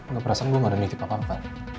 gak perasan gue gak ada titip apa apa